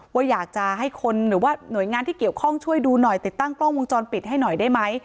ว่าอยากจะให้คนหรือว่าหน่วยงานที่เกี่ยวข้องช่วยดูหน่อยติดตั้งกล้องวงจรปิดให้หน่อยได้ไหม